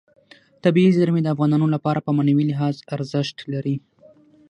طبیعي زیرمې د افغانانو لپاره په معنوي لحاظ ارزښت لري.